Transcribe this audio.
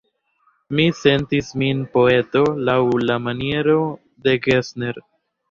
Mi sentis min poeto laŭ la maniero de Gessner.